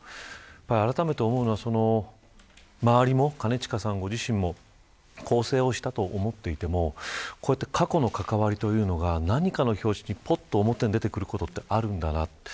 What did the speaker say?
あらためて思うのは周りも、兼近さんご自身も更生をしたと思っていても過去の関わりというのが何かの拍子に表に出てくることはあるんだな。